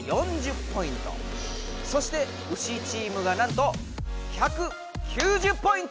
そしてウシチームがなんと１９０ポイント！